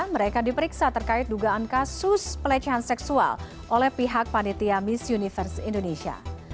mereka diperiksa terkait dugaan kasus pelecehan seksual oleh pihak panitia miss universe indonesia